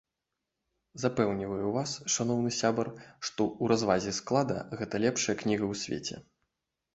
Запэўніваю вас, шаноўны сябар, што ў развазе склада гэта лепшая кніга ў свеце.